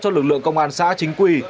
cho lực lượng công an xã chính quy